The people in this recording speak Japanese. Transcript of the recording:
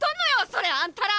それあんたら！